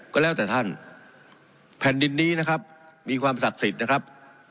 ก็แล้วแต่ท่านแผ่นดินนี้นะครับมีความศักดิ์สิทธิ์นะครับ